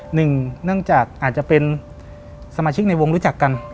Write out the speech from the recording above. หนึ่งเนื่องจากอาจจะเป็นสมาชิกในวงรู้จักกัน